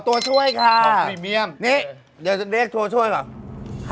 ขอตัวช่วยค่ะนี่เดี๋ยวเรียกตัวช่วยเหรอ